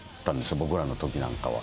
僕らのときなんかは。